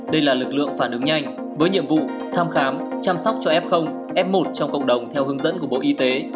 đây là lực lượng phản ứng nhanh với nhiệm vụ thăm khám chăm sóc cho f f một trong cộng đồng theo hướng dẫn của bộ y tế